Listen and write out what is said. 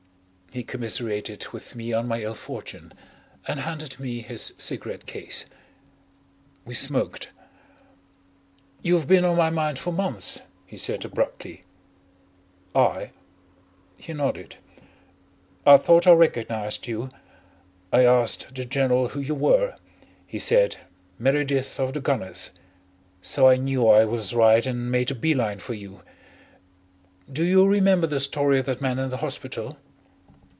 He commiserated with me on my ill fortune, and handed me his cigarette case. We smoked. "You've been on my mind for months," he said abruptly. "I?" He nodded. "I thought I recognised you. I asked the General who you were. He said 'Meredyth of the Gunners.' So I knew I was right and made a bee line for you. Do you remember the story of that man in the hospital?"